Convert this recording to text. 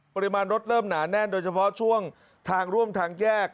ปริมาณรถเริ่มหนาแน่นโดยเฉพาะช่วงทางร่วมทางแยก